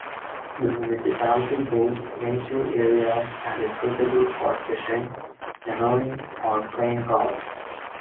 The municipality boasts nature areas and is suitable for fishing, canoeing or playing golf.